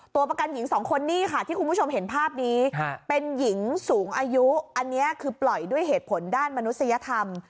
ตัวประกันหญิงสองคนนี่ค่ะที่คุณผู้ชมเห็นภาพนี้เป็นหญิงสูงอายุอันนี้คือปล่อยด้วยเหตุผลด้านมนุษยธรรม